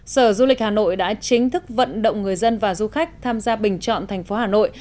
sở du lịch hà nội đã chính thức vận động người dân và du khách tham gia bình chọn thành phố hà nội